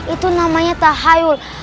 itu namanya tahayul